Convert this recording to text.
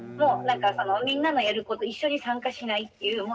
みんなのやること一緒に参加しないっていう。